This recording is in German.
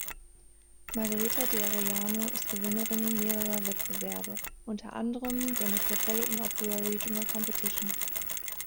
Margarita De Arellano ist Gewinnerin mehrerer Wettbewerbe, unter anderem der Metropolitan Opera Regional Competition.